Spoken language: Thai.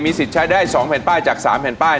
สิทธิ์ใช้ได้๒แผ่นป้ายจาก๓แผ่นป้าย